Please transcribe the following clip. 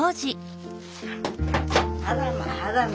あらまあらま。